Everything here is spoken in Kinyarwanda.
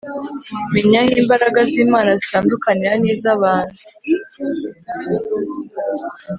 menya aho imbaraga zImana zitandukanira nizabantu